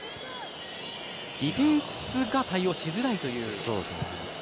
ディフェンスが対応しづらいという。